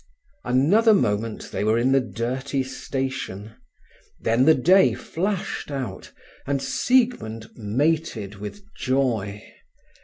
Another moment they were in the dirty station. Then the day flashed out, and Siegmund mated with joy.